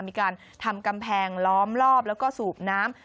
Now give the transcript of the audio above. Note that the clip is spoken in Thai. มีการทำกำแพงล้อมรอบแล้วก็สูบน้ำ